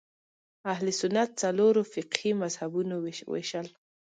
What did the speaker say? اهل سنت څلورو فقهي مذهبونو وېشل